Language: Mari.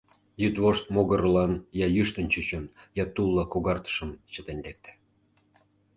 Йӱдвошт могырлан я йӱштын чучын, я тулла когартышым чытен лекте.